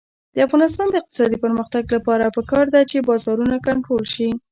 د افغانستان د اقتصادي پرمختګ لپاره پکار ده چې بازارونه کنټرول شي.